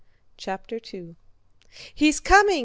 CHAPTER II "He's coming!"